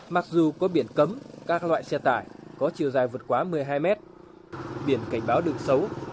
mặc dù có biển cấm các loại xe tải có chiều dài vượt quá một mươi hai mét biển cảnh báo đường xấu